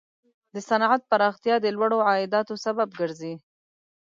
د صنعت پراختیا د لوړو عایداتو سبب کیږي.